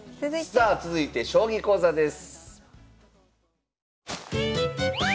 さあ続いて将棋講座です。